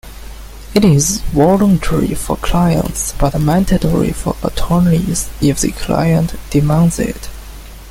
It is voluntary for clients but mandatory for attorneys if the client demands it.